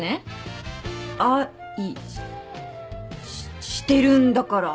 愛ししっしてるんだから